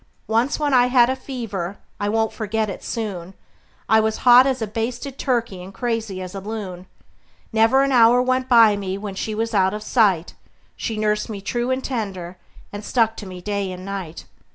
Once when I had a fever I won't forget it soon I was hot as a basted turkey and crazy as a loon; Never an hour went by me when she was out of sight She nursed me true and tender, and stuck to me day and night.